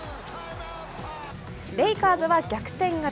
レイカーズは逆転勝ち。